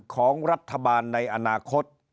ของรัฐบาลในอนาคต